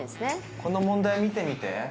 この問題見てみて。